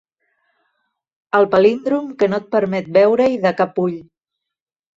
El palíndrom que no et permet veure-hi de cap ull.